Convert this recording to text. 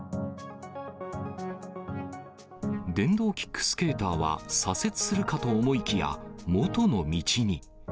電動キックスケーターは、左折するかと思いきや、元の道に。